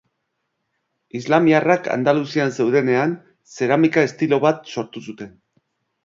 Islamiarrak Andaluzian zeudenean, zeramika estilo bat sortu zuten